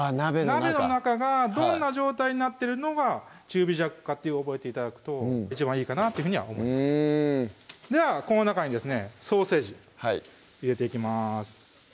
鍋の中がどんな状態になってるのが中火弱かと覚えて頂くと一番いいかなというふうには思いますではこの中にですねソーセージ入れていきます